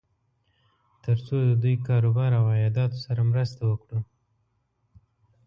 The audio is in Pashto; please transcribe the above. تر څو د دوی کار و بار او عایداتو سره مرسته وکړو.